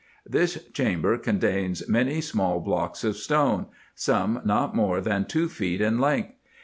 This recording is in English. This chamber contains many small blocks of stone, some not more than two feet in length.